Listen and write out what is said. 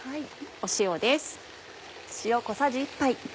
塩です。